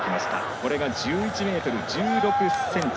これが１１ｍ１６ｃｍ。